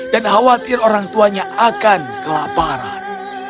khawatir orang tuanya akan kelaparan